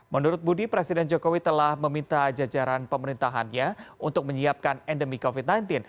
menurut budi presiden jokowi telah meminta jajaran pemerintahannya untuk menyiapkan endemi covid sembilan belas